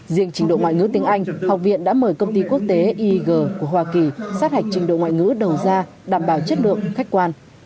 riêng trình độ ngoại ngữ tiếng anh học viện đã mời công ty quốc tế ieg của hoa kỳ sát hạch trình độ ngoại ngữ đầu ra đảm bảo chất lượng khách quan